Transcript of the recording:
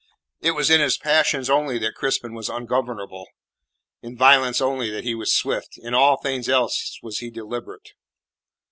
It was in his passions only that Crispin was ungovernable, in violence only that he was swift in all things else was he deliberate.